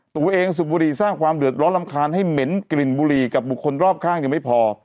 สูบบุหรี่สร้างความเดือดร้อนรำคาญให้เหม็นกลิ่นบุหรี่กับบุคคลรอบข้างยังไม่พอ